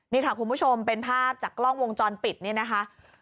นี่ค่ะคุณผู้ชมเป็นภาพจากกล้องวงจรปิดนี่นะคะ